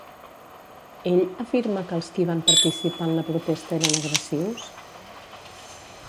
Ell afirma que els qui van participar en la protesta eren agressius?